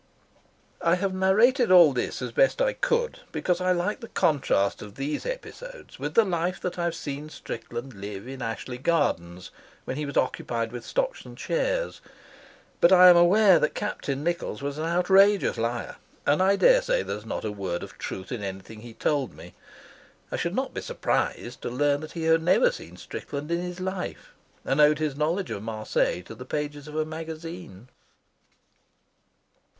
I have narrated all this as best I could, because I like the contrast of these episodes with the life that I had seen Strickland live in Ashley Gardens when he was occupied with stocks and shares; but I am aware that Captain Nichols was an outrageous liar, and I dare say there is not a word of truth in anything he told me. I should not be surprised to learn that he had never seen Strickland in his life, and owed his knowledge of Marseilles to the pages of a magazine.